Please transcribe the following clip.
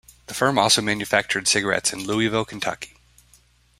The firm also manufactured cigarettes in Louisville, Kentucky.